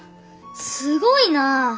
すごいな！